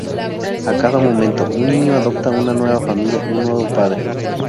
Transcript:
A cada momento, un niño adopta una nueva familia, un nuevo padre.